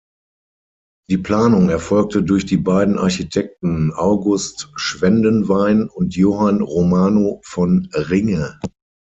Die Planung erfolgte durch die beiden Architekten August Schwendenwein und Johann Romano von Ringe.